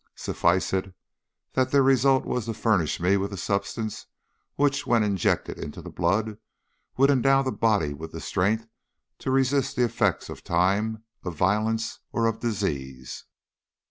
Suffice it that their result was to furnish me with a substance which, when injected into the blood, would endow the body with strength to resist the effects of time, of violence, or of disease.